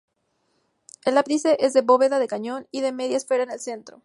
El ábside es de bóveda de cañón y de media esfera en el centro.